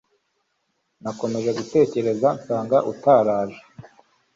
nakomeje gutekereza nsanga utaraje